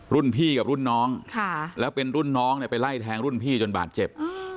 รุ่นพี่กับรุ่นน้องแล้วเป็นรุ่นน้องเนี่ยไปไล่แทงรุ่นพี่จนบาดเจ็บ